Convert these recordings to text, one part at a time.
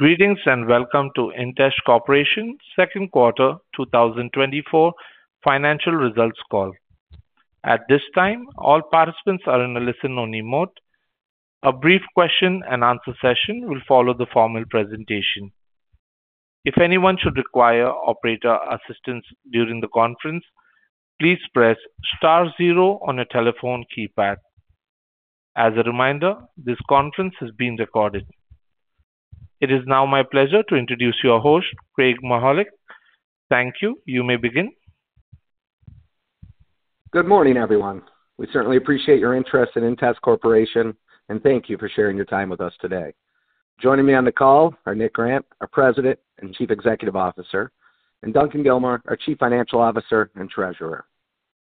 Greetings and welcome to inTEST Corporation's Q2 2024 Financial Results Call. At this time, all participants are in a listen-only mode. A brief question-and-answer session will follow the formal presentation. If anyone should require operator assistance during the conference, please press star zero on your telephone keypad. As a reminder, this conference is being recorded. It is now my pleasure to introduce your host, Craig Maholchic. Thank you. You may begin. Good morning, everyone. We certainly appreciate your interest in inTEST Corporation, and thank you for sharing your time with us today. Joining me on the call are Nick Grant, our President and Chief Executive Officer, and Duncan Gilmour, our Chief Financial Officer and Treasurer.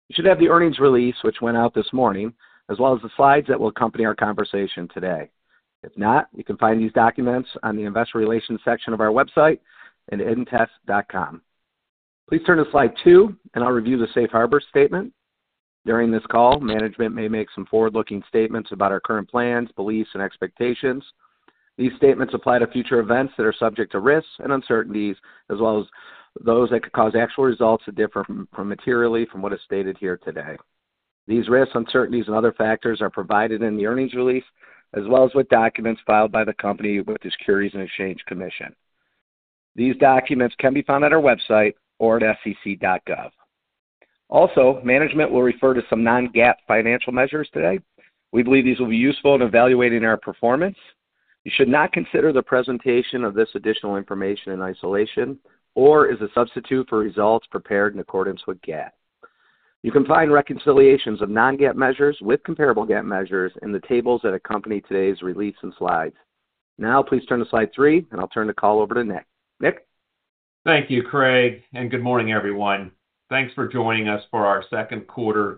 You should have the earnings release, which went out this morning, as well as the slides that will accompany our conversation today. If not, you can find these documents on the Investor Relations section of our website at intest.com. Please turn to slide two, and I'll review the Safe Harbor Statement. During this call, management may make some forward-looking statements about our current plans, beliefs, and expectations. These statements apply to future events that are subject to risks and uncertainties, as well as those that could cause actual results that differ materially from what is stated here today. These risks, uncertainties, and other factors are provided in the earnings release, as well as with documents filed by the company with the Securities and Exchange Commission. These documents can be found at our website or at sec.gov. Also, management will refer to some non-GAAP financial measures today. We believe these will be useful in evaluating our performance. You should not consider the presentation of this additional information in isolation or as a substitute for results prepared in accordance with GAAP. You can find reconciliations of non-GAAP measures with comparable GAAP measures in the tables that accompany today's release and slides. Now, please turn to slide three, and I'll turn the call over to Nick. Nick? Thank you, Craig, and good morning, everyone. Thanks for joining us for our Q2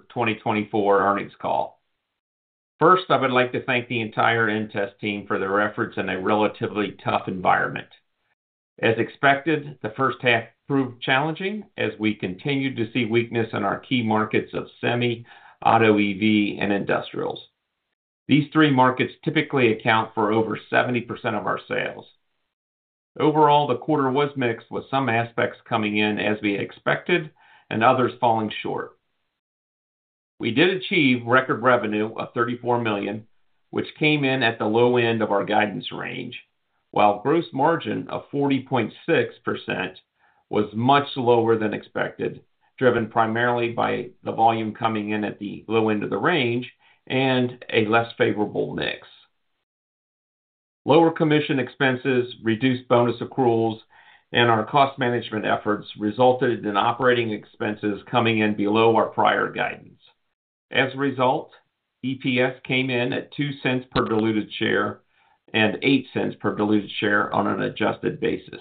2024 earnings call. First, I would like to thank the entire inTEST team for their efforts in a relatively tough environment. As expected, the H1 proved challenging as we continued to see weakness in our key markets of semi, auto, EV, and industrials. These three markets typically account for over 70% of our sales. Overall, the quarter was mixed, with some aspects coming in as we expected and others falling short. We did achieve record revenue of $34 million, which came in at the low end of our guidance range, while gross margin of 40.6% was much lower than expected, driven primarily by the volume coming in at the low end of the range and a less favourable mix. Lower commission expenses, reduced bonus accruals, and our cost management efforts resulted in operating expenses coming in below our prior guidance. As a result, EPS came in at $0.02 per diluted share and $0.08 per diluted share on an adjusted basis.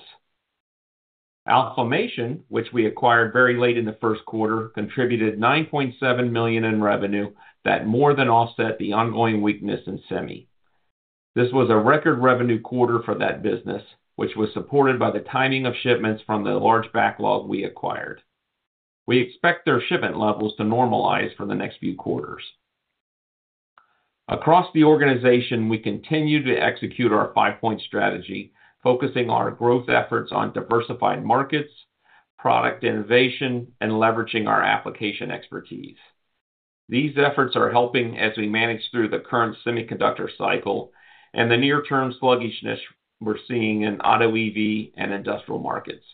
Alfamation, which we acquired very late in the Q1, contributed $9.7 million in revenue that more than offset the ongoing weakness in semi. This was a record revenue quarter for that business, which was supported by the timing of shipments from the large backlog we acquired. We expect their shipment levels to normalize for the next few quarters. Across the organization, we continue to execute our five-point strategy, focusing our growth efforts on diversified markets, product innovation, and leveraging our application expertise. These efforts are helping as we manage through the current semiconductor cycle and the near-term sluggishness we're seeing in auto, EV, and industrial markets.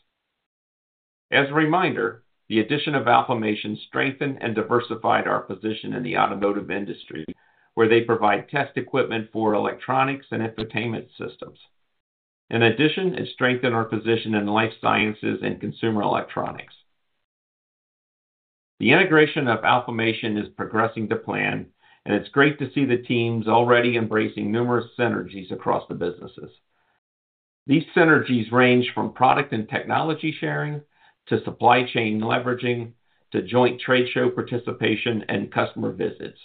As a reminder, the addition of Alfamation strengthened and diversified our position in the automotive industry, where they provide test equipment for electronics and infotainment systems. In addition, it strengthened our position in life sciences and consumer electronics. The integration of Alfamation is progressing to plan, and it's great to see the teams already embracing numerous synergies across the businesses. These synergies range from product and technology sharing to supply chain leveraging to joint trade show participation and customer visits.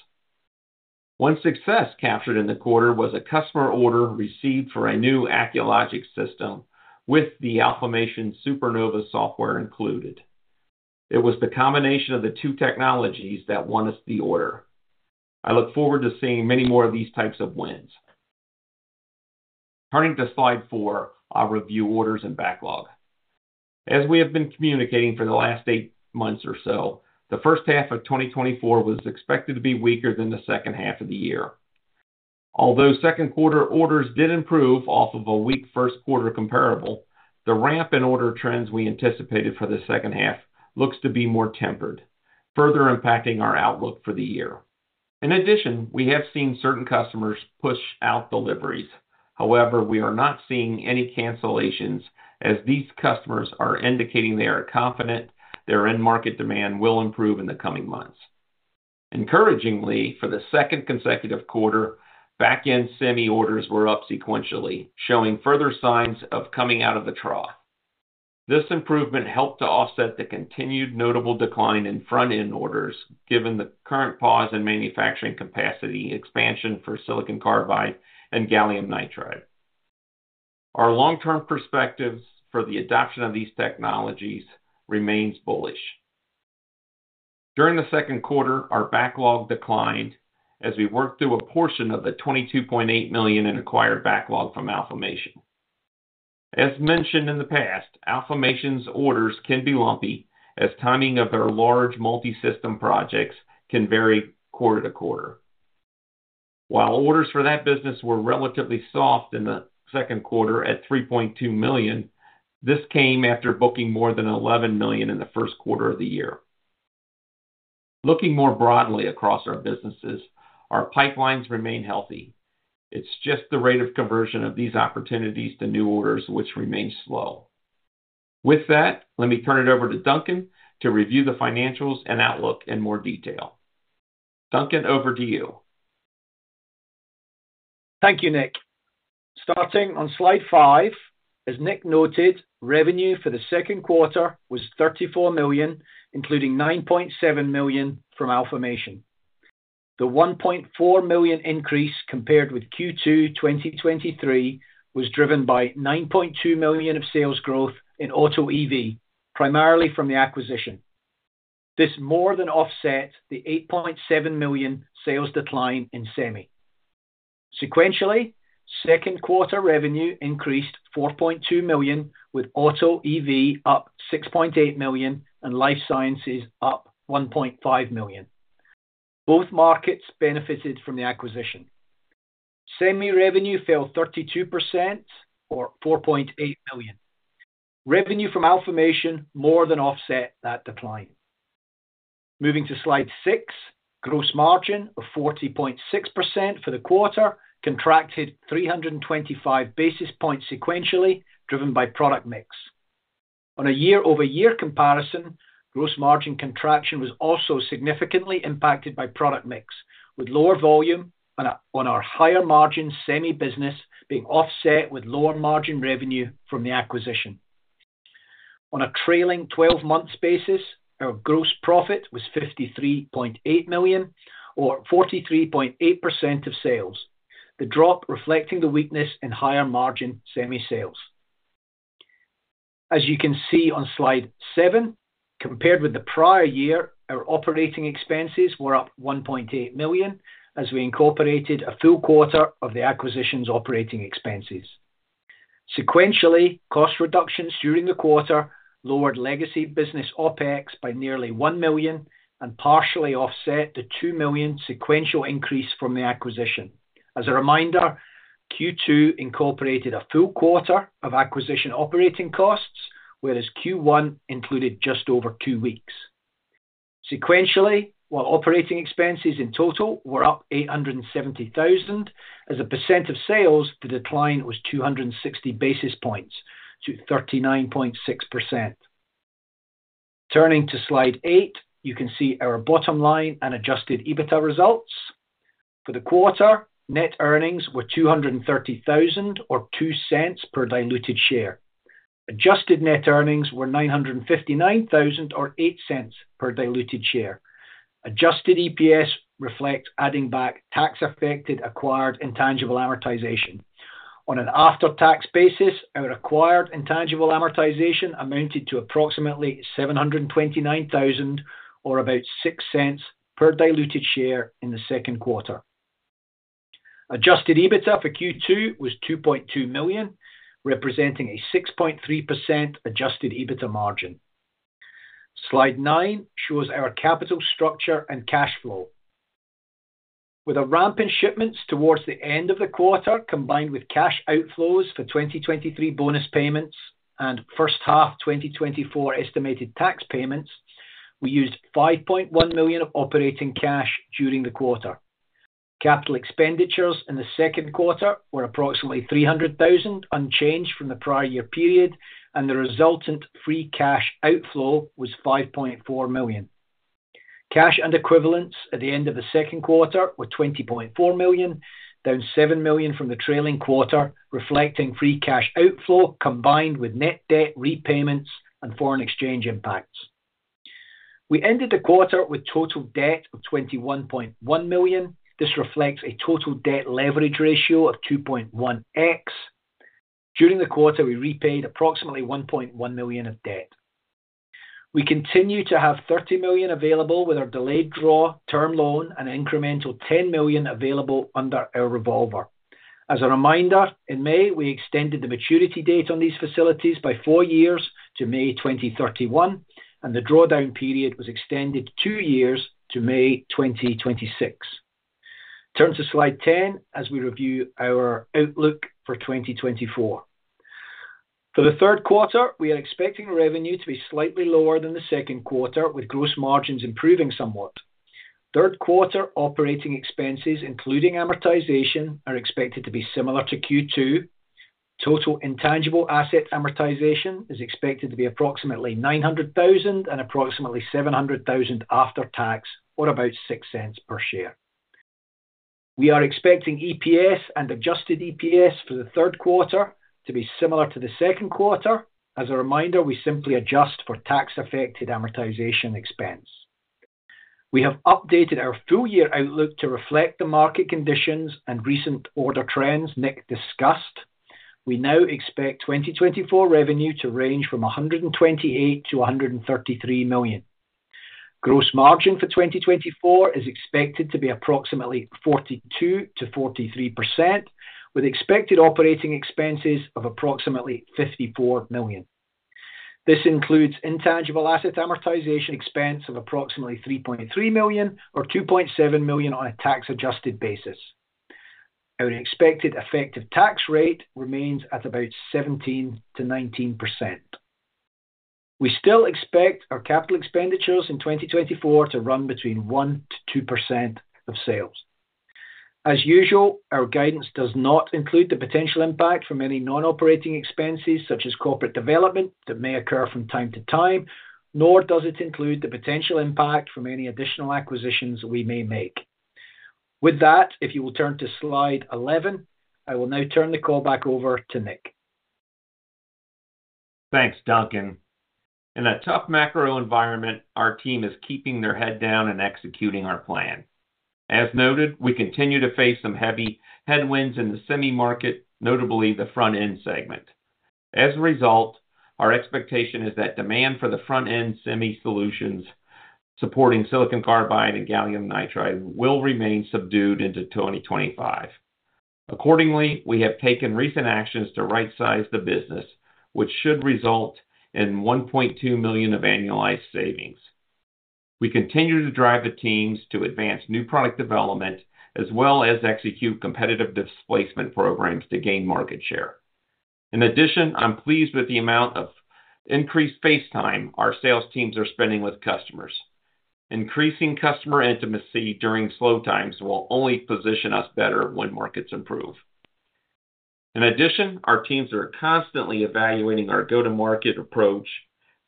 One success captured in the quarter was a customer order received for a new Acculogic system with the Alfamation SuperNova software included. It was the combination of the two technologies that won us the order. I look forward to seeing many more of these types of wins. Turning to slide four, I'll review orders and backlog. As we have been communicating for the last eight months or so, the H1 of 2024 was expected to be weaker than the H2 of the year. Although Q2 orders did improve off of a weak Q1 comparable, the ramp in order trends we anticipated for the H2 looks to be more tempered, further impacting our outlook for the year. In addition, we have seen certain customers push out deliveries. However, we are not seeing any cancellations as these customers are indicating they are confident their end market demand will improve in the coming months. Encouragingly, for the second consecutive quarter, back-end semi orders were up sequentially, showing further signs of coming out of the trough. This improvement helped to offset the continued notable decline in front-end orders, given the current pause in manufacturing capacity expansion for silicon carbide and gallium nitride. Our long-term perspectives for the adoption of these technologies remain bullish. During the Q2, our backlog declined as we worked through a portion of the $22.8 million in acquired backlog from Alfamation. As mentioned in the past, Alfamation's orders can be lumpy as timing of their large multi-system projects can vary quarter-to-quarter. While orders for that business were relatively soft in the Q2 at $3.2 million, this came after booking more than $11 million in the Q1 of the year. Looking more broadly across our businesses, our pipelines remain healthy. It's just the rate of conversion of these opportunities to new orders, which remains slow. With that, let me turn it over to Duncan to review the financials and outlook in more detail. Duncan, over to you. Thank you, Nick. Starting on slide 5, as Nick noted, revenue for the Q2 was $34 million, including $9.7 million from Alfamation. The $1.4 million increase compared with Q2 2023 was driven by $9.2 million of sales growth in auto, EV, primarily from the acquisition. This more than offset the $8.7 million sales decline in semi. Sequentially, Q2 revenue increased $4.2 million, with auto, EV up $6.8 million and life sciences up $1.5 million. Both markets benefited from the acquisition. Semi revenue fell 32%, or $4.8 million. Revenue from Alfamation more than offset that decline. Moving to slide six, gross margin of 40.6% for the quarter contracted 325 basis points sequentially, driven by product mix. On a year-over-year comparison, gross margin contraction was also significantly impacted by product mix, with lower volume on our higher margin semi business being offset with lower margin revenue from the acquisition. On a trailing 12-month basis, our gross profit was $53.8 million, or 43.8% of sales, the drop reflecting the weakness in higher margin semi sales. As you can see on slide seven, compared with the prior year, our operating expenses were up $1.8 million as we incorporated a full quarter of the acquisition's operating expenses. Sequentially, cost reductions during the quarter lowered legacy business OPEX by nearly $1 million and partially offset the $2 million sequential increase from the acquisition. As a reminder, Q2 incorporated a full quarter of acquisition operating costs, whereas Q1 included just over two weeks. Sequentially, while operating expenses in total were up $870,000, as a percent of sales, the decline was 260 basis points to 39.6%. Turning to slide eight, you can see our bottom line and Adjusted EBITDA results. For the quarter, net earnings were $230,000, or $0.02 per diluted share. Adjusted net earnings were $959,000, or $0.08 per diluted share. Adjusted EPS reflects adding back tax-affected acquired intangible amortization. On an after-tax basis, our acquired intangible amortization amounted to approximately $729,000, or about $0.06 per diluted share in the Q2. Adjusted EBITDA for Q2 was $2.2 million, representing a 6.3% Adjusted EBITDA margin. Slide nine shows our capital structure and cash flow. With a ramp in shipments towards the end of the quarter, combined with cash outflows for 2023 bonus payments and H1 2024 estimated tax payments, we used $5.1 million of operating cash during the quarter. Capital expenditures in the Q2 were approximately $300,000, unchanged from the prior year period, and the resultant free cash outflow was $5.4 million. Cash and equivalents at the end of the Q2 were $20.4 million, down $7 million from the trailing quarter, reflecting free cash outflow combined with net debt repayments and foreign exchange impacts. We ended the quarter with total debt of $21.1 million. This reflects a total debt leverage ratio of 2.1x. During the quarter, we repaid approximately $1.1 million of debt. We continue to have $30 million available with our delayed draw term loan and an incremental $10 million available under our revolver. As a reminder, in May, we extended the maturity date on these facilities by four years to May 2031, and the drawdown period was extended two years to May 2026. Turn to slide 10 as we review our outlook for 2024. For the Q3, we are expecting revenue to be slightly lower than the Q2, with gross margins improving somewhat. Q3 operating expenses, including amortization, are expected to be similar to Q2. Total intangible asset amortization is expected to be approximately $900,000 and approximately $700,000 after tax, or about $0.06 per share. We are expecting EPS and adjusted EPS for the Q3 to be similar to the Q2. As a reminder, we simply adjust for tax-affected amortization expense. We have updated our full year outlook to reflect the market conditions and recent order trends Nick discussed. We now expect 2024 revenue to range from $128 million to 133 million. Gross margin for 2024 is expected to be approximately 42% to 43%, with expected operating expenses of approximately $54 million. This includes intangible asset amortization expense of approximately $3.3 million, or $2.7 million on a tax-adjusted basis. Our expected effective tax rate remains at about 17% to 19%. We still expect our capital expenditures in 2024 to run between 1% to 2% of sales. As usual, our guidance does not include the potential impact from any non-operating expenses, such as corporate development, that may occur from time to time, nor does it include the potential impact from any additional acquisitions we may make. With that, if you will turn to slide 11, I will now turn the call back over to Nick. Thanks, Duncan. In a tough macro environment, our team is keeping their head down and executing our plan. As noted, we continue to face some heavy headwinds in the semi market, notably the front-end segment. As a result, our expectation is that demand for the front-end semi solutions supporting silicon carbide and gallium nitride will remain subdued into 2025. Accordingly, we have taken recent actions to right-size the business, which should result in $1.2 million of annualized savings. We continue to drive the teams to advance new product development, as well as execute competitive displacement programs to gain market share. In addition, I'm pleased with the amount of increased face time our sales teams are spending with customers. Increasing customer intimacy during slow times will only position us better when markets improve. In addition, our teams are constantly evaluating our go-to-market approach,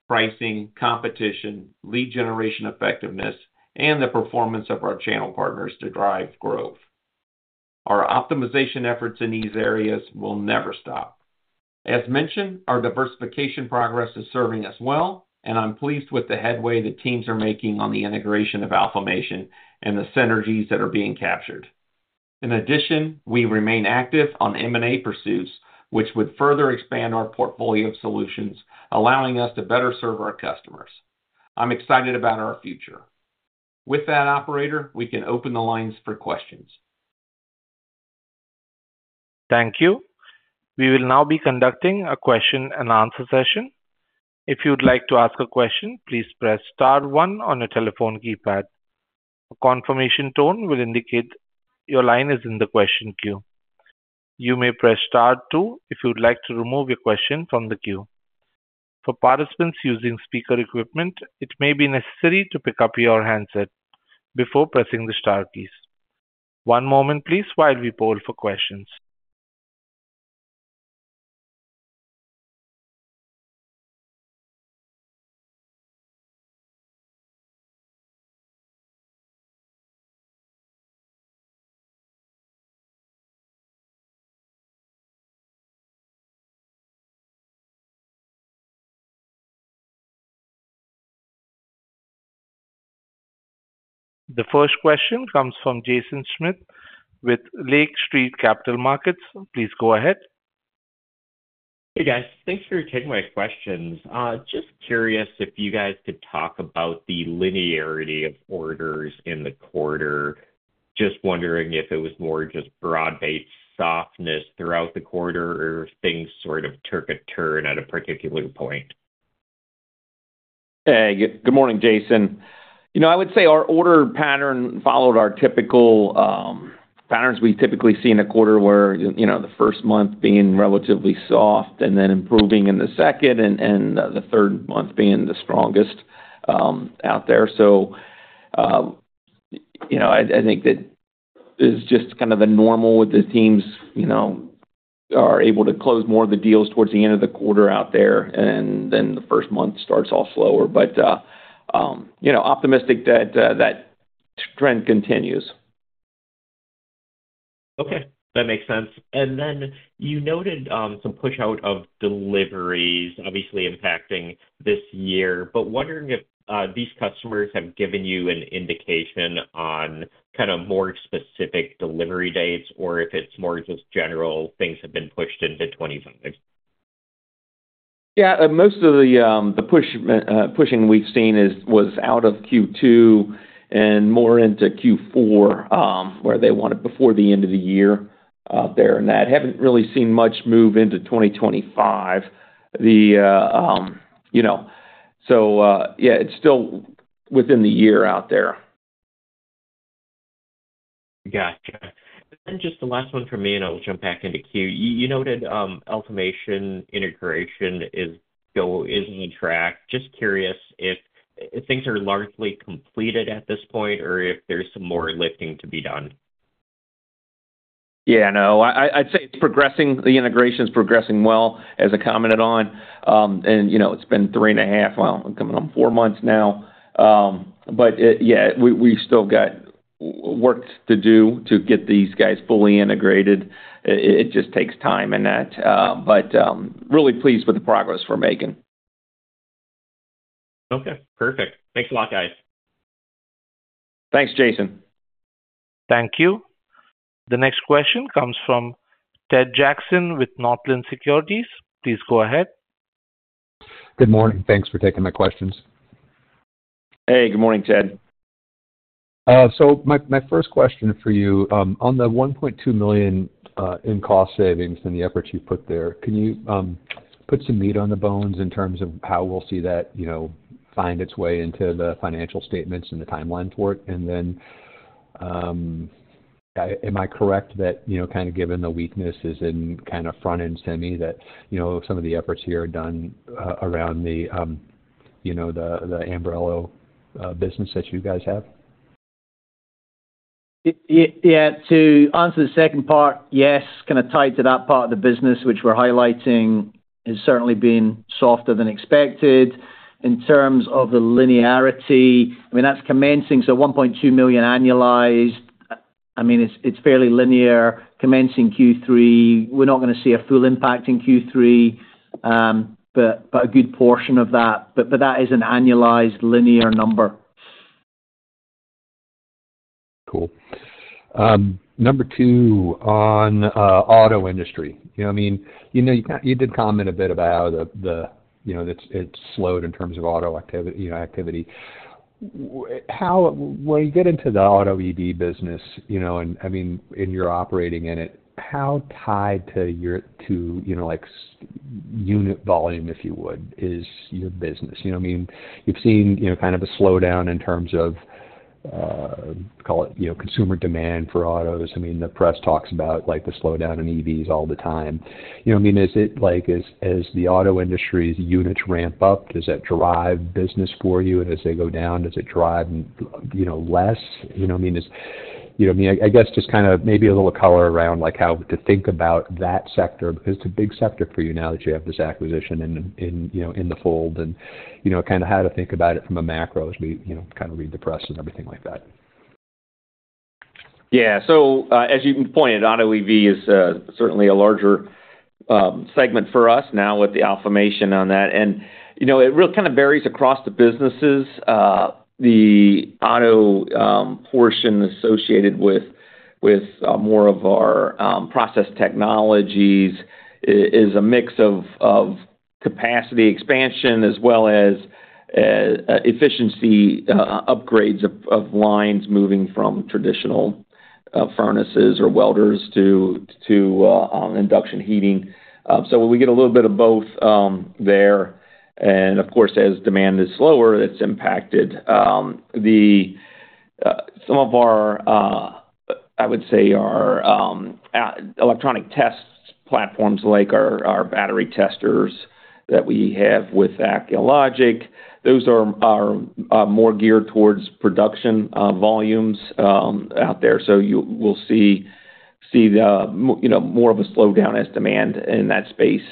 pricing, competition, lead generation effectiveness, and the performance of our channel partners to drive growth. Our optimization efforts in these areas will never stop. As mentioned, our diversification progress is serving us well, and I'm pleased with the headway the teams are making on the integration of Alfamation and the synergies that are being captured. In addition, we remain active on M&A pursuits, which would further expand our portfolio of solutions, allowing us to better serve our customers. I'm excited about our future. With that, operator, we can open the lines for questions. Thank you. We will now be conducting a question and answer session. If you would like to ask a question, please press star one on your telephone keypad. A confirmation tone will indicate your line is in the question queue. You may press star two if you would like to remove your question from the queue. For participants using speaker equipment, it may be necessary to pick up your handset before pressing the Star keys. One moment, please, while we poll for questions. The first question comes from Jaeson Schmidt with Lake Street Capital Markets. Please go ahead. Hey, guys. Thanks for taking my questions. Just curious if you guys could talk about the linearity of orders in the quarter. Just wondering if it was more just broad-based softness throughout the quarter or if things sort of took a turn at a particular point. Hey, good morning, Jaeson. You know, I would say our order pattern followed our typical patterns we typically see in a quarter where the first month being relatively soft and then improving in the second and the third month being the strongest out there. So I think that is just kind of the normal with the teams are able to close more of the deals towards the end of the quarter out there, and then the first month starts all slower. But optimistic that that trend continues. Okay. That makes sense. And then you noted some push out of deliveries, obviously impacting this year, but wondering if these customers have given you an indication on kind of more specific delivery dates or if it's more just general things have been pushed into 2025? Yeah, most of the pushing we've seen was out of Q2 and more into Q4 where they want it before the end of the year there and that. Haven't really seen much move into 2025. So yeah, it's still within the year out there. Gotcha. And then just the last one for me, and I'll jump back into queue. You noted automation integration is on track. Just curious if things are largely completed at this point or if there's some more lifting to be done? Yeah, no, I'd say it's progressing. The integration is progressing well, as I commented on. And it's been three and a half, well, coming on four months now. But yeah, we've still got work to do to get these guys fully integrated. It just takes time and that. But really pleased with the progress we're making. Okay. Perfect. Thanks a lot, guys. Thanks, Jaeson. Thank you. The next question comes from Ted Jackson with Northland Securities. Please go ahead. Good morning. Thanks for taking my questions. Hey, good morning, Ted. So my first question for you, on the $1.2 million in cost savings and the effort you put there, can you put some meat on the bones in terms of how we'll see that find its way into the financial statements and the timeline for it? And then am I correct that kind of given the weaknesses in kind of front-end semi that some of the efforts here are done around the Ambrell business that you guys have? Yeah, to answer the second part, yes, kind of tied to that part of the business which we're highlighting has certainly been softer than expected. In terms of the linearity, I mean, that's commencing. So $1.2 million annualized, I mean, it's fairly linear. Commencing Q3, we're not going to see a full impact in Q3, but a good portion of that. But that is an annualized linear number. Cool. Number two on auto industry. I mean, you did comment a bit about how it's slowed in terms of auto activity. When you get into the auto EV business, I mean, and you're operating in it, how tied to unit volume, if you would, is your business? I mean, you've seen kind of a slowdown in terms of, call it, consumer demand for autos. I mean, the press talks about the slowdown in EVs all the time. I mean, is it like as the auto industry's units ramp up, does that drive business for you? And as they go down, does it drive less? I mean, I guess just kind of maybe a little color around how to think about that sector because it's a big sector for you now that you have this acquisition in the fold and kind of how to think about it from a macro as we kind of read the press and everything like that. Yeah. So as you pointed, auto EV is certainly a larger segment for us now with the automation on that. And it really kind of varies across the businesses. The auto portion associated with more of our process technologies is a mix of capacity expansion as well as efficiency upgrades of lines moving from traditional furnaces or welders to induction heating. So we get a little bit of both there. And of course, as demand is slower, it's impacted some of our, I would say, our electronic test platforms like our battery testers that we have with Acculogic. Those are more geared towards production volumes out there. So you will see more of a slowdown as demand in that space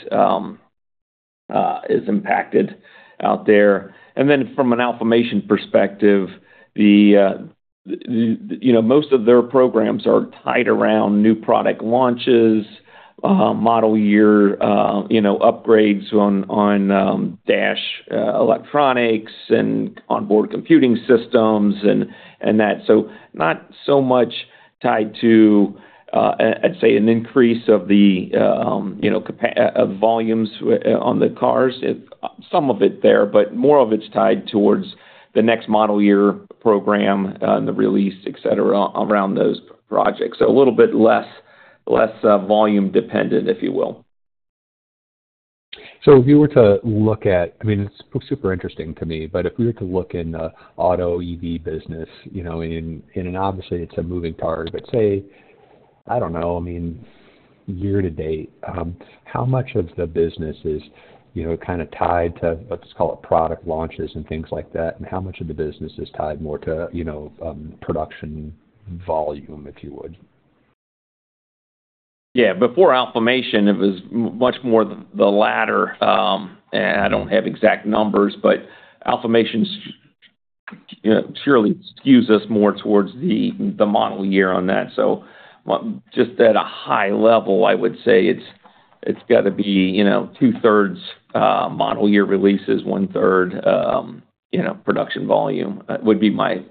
is impacted out there. And then from an automation perspective, most of their programs are tied around new product launches, model year upgrades on dash electronics and onboard computing systems and that. So not so much tied to, I'd say, an increase of the volumes on the cars. Some of it there, but more of it's tied towards the next model year program and the release, etc., around those projects. So a little bit less volume dependent, if you will. So if you were to look at, I mean, it's super interesting to me, but if we were to look in the auto EV business, and obviously it's a moving target, but say, I don't know, I mean, year to date, how much of the business is kind of tied to, let's call it, product launches and things like that? And how much of the business is tied more to production volume, if you would? Yeah. Before automation, it was much more the latter. I don't have exact numbers, but automation surely skews us more towards the model year on that. So just at a high level, I would say it's got to be 2/3 model year releases, one-third production volume would be my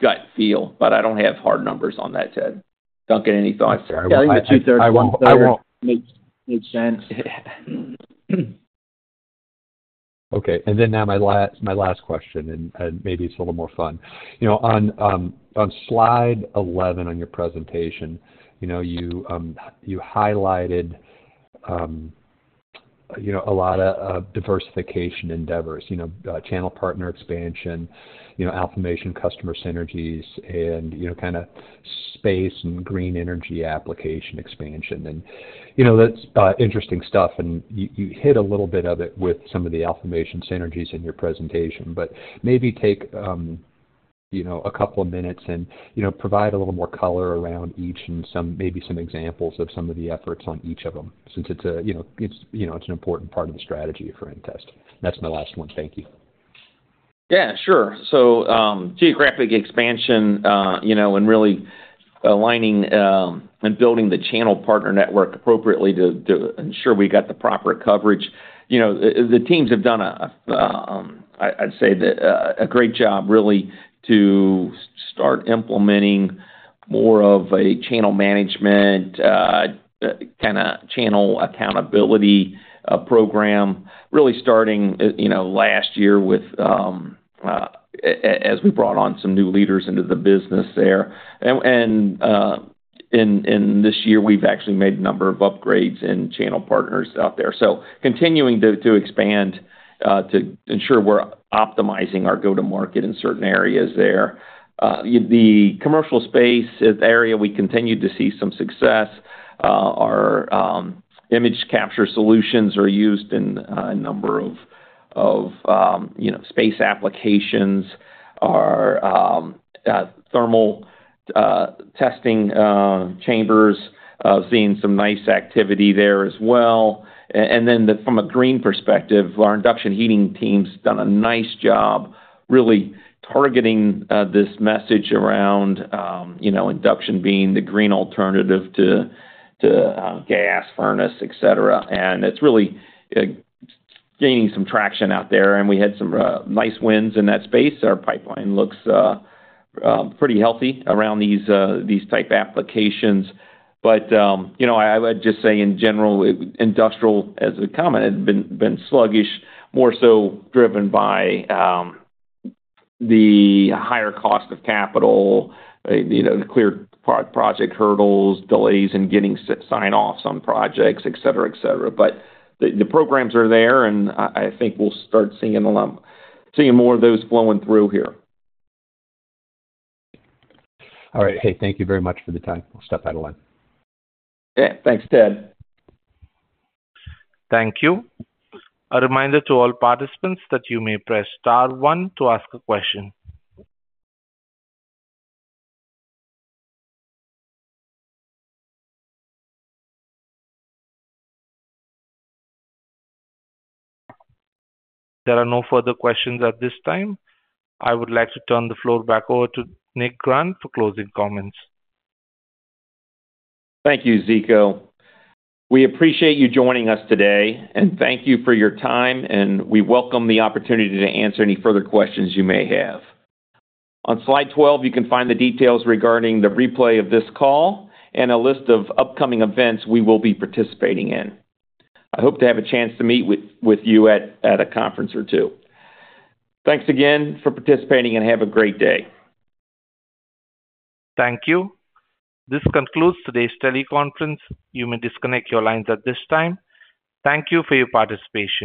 gut feel. But I don't have hard numbers on that, Ted. Duncan, any thoughts? I would say 2/3 of 1/3 makes sense. Okay. And then now my last question, and maybe it's a little more fun. On Slide 11 on your presentation, you highlighted a lot of diversification endeavors, channel partner expansion, automation customer synergies, and kind of space and green energy application expansion. And that's interesting stuff. And you hit a little bit of it with some of the automation synergies in your presentation. But maybe take a couple of minutes and provide a little more color around each and maybe some examples of some of the efforts on each of them since it's an important part of the strategy for inTEST. That's my last one. Thank you. Yeah, sure. So geographic expansion and really aligning and building the channel partner network appropriately to ensure we got the proper coverage. The teams have done, I'd say, a great job really to start implementing more of a channel management, kind of channel accountability program, really starting last year as we brought on some new leaders into the business there. In this year, we've actually made a number of upgrades in channel partners out there. Continuing to expand to ensure we're optimizing our go-to-market in certain areas there. The commercial space area, we continue to see some success. Our image capture solutions are used in a number of space applications. Our thermal testing chambers are seeing some nice activity there as well. And then from a green perspective, our induction heating teams have done a nice job really targeting this message around induction being the green alternative to gas furnace, etc. And it's really gaining some traction out there. And we had some nice wins in that space. Our pipeline looks pretty healthy around these type applications. But I would just say, in general, industrial, as we commented, has been sluggish, more so driven by the higher cost of capital, the clear project hurdles, delays in getting sign-offs on projects, etc., etc. But the programs are there, and I think we'll start seeing more of those flowing through here. All right. Hey, thank you very much for the time. We'll step out of line. Okay. Thanks, Ted. Thank you. A reminder to all participants that you may press star one to ask a question. There are no further questions at this time. I would like to turn the floor back over to Nick Grant for closing comments. Thank you, Zico. We appreciate you joining us today, and thank you for your time. We welcome the opportunity to answer any further questions you may have. On slide 12, you can find the details regarding the replay of this call and a list of upcoming events we will be participating in. I hope to have a chance to meet with you at a conference or two. Thanks again for participating, and have a great day. Thank you. This concludes today's teleconference. You may disconnect your lines at this time. Thank you for your participation.